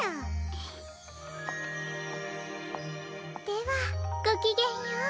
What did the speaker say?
ではごきげんよう。